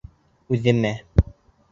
Үҙемә.